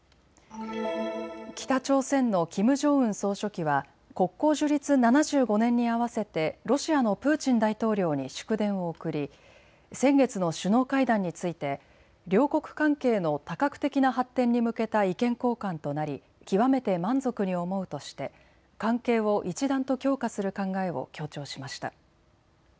北朝鮮のキム・ジョンウン総書記は国交樹立７５年に合わせてロシアのプーチン大統領に祝電を送り先月の首脳会談について両国関係の多角的な発展に向けた意見交換となり極めて満足に思うとして関係を一段と強化する考えを強調しました。